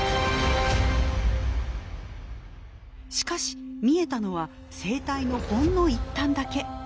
しかし見えたのは生態のほんの一端だけ。